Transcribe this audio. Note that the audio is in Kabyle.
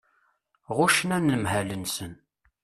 Ɣuccen anemhal-nsen.